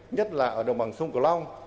nhất là ở đồng bằng sông cửu long